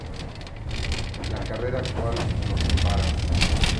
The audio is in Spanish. La carretera actual los separa.